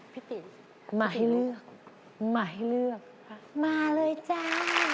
พี่ตี๋มาให้เลือกมาเลยจ้า